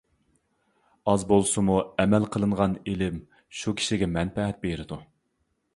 ئاز بولسىمۇ، ئەمەل قىلىنغان ئىلىم شۇ كىشىگە مەنپەئەت بېرىدۇ.